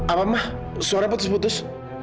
apa mah suara putus putus